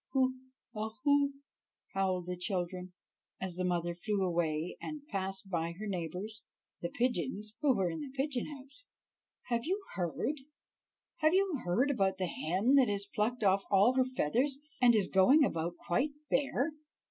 "Hu! hu! uhu!" howled the children, as the mother flew away and passed by her neighbors, the pigeons, who were in the pigeon house. "Have you heard—have you heard about the hen that has plucked off all her feathers, and is going about quite bare?